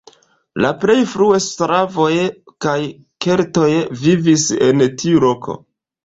La plej frue slavoj kaj keltoj vivis en tiu loko.